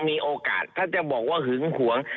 มีโอกาสถ้าจะบอกว่าหึงหวง